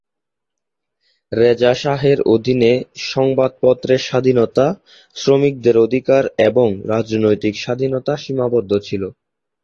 রেজা শাহের অধীনে সংবাদপত্রের স্বাধীনতা, শ্রমিকদের অধিকার এবং রাজনৈতিক স্বাধীনতা সীমাবদ্ধ ছিল।